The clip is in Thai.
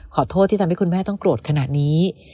ขอโทษที่ทำให้คุณแม่ต้องโกรธขนาดนี้